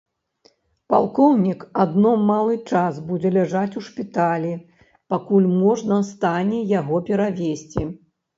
Палкоўнік адно малы час будзе ляжаць у шпіталі, пакуль можна стане яго перавезці.